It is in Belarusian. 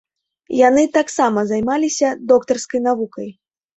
Яны таксама займаліся доктарскай навукай.